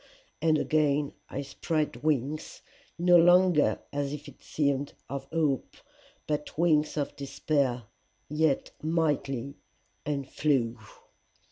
And again I spread wings no longer as it seemed of hope, but wings of despair, yet mighty, and flew.